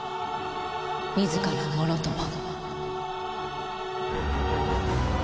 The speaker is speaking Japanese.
自らもろとも。